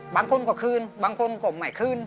บางคนก็คืนบางคนก็ไม่คืน